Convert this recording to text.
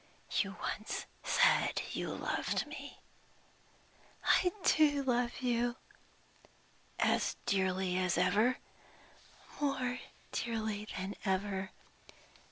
"You once said you loved me!" "I do love you!" "As dearly as ever?" "More dearly than ever!"